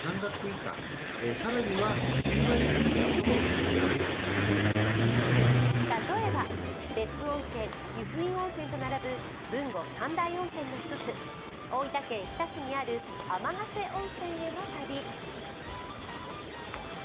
それが例えば、別府温泉、由布院温泉と並ぶ豊後三大温泉の１つ、大分県日田市にある天ヶ瀬温泉への旅。